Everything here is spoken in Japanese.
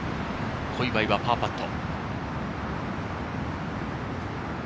小祝はパーパット。